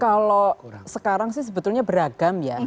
kalau sekarang sih sebetulnya beragam ya